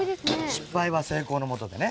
失敗は成功のもとでね。